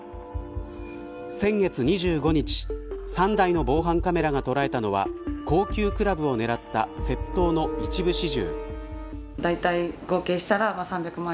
先月２５日３台の防犯カメラが捉えたのは高級クラブを狙った窃盗の一部始終。